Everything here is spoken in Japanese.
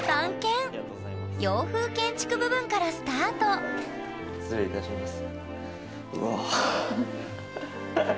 洋風建築部分からスタート失礼いたします。